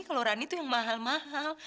kalau rani itu yang mahal mahal